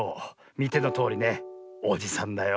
みてのとおりねおじさんだよ。